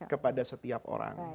kepada setiap orang